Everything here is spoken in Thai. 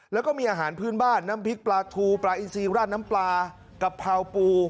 แล้วก็มีอาหารพื้นบ้านน้ำพริกปลาทูปลาอินซีราดน้ำปลากะเพราปู